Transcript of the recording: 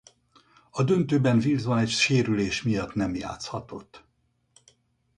A döntőben Wilson egy sérülés miatt nem játszhatott.